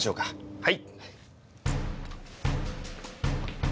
はい。